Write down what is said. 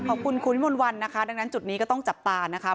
ขอบคุณคุณวิมนต์วันนะคะดังนั้นจุดนี้ก็ต้องจับตานะคะ